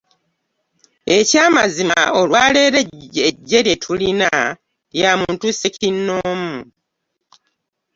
Eky’amazima olwaleero eggye lye tulina lya muntu ssekinnoomu.